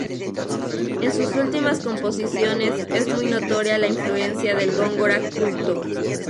En sus últimas composiciones es muy notoria la influencia del Góngora "culto".